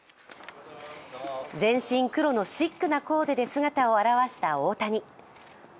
全身黒のシックなコーデで姿を現わした大谷。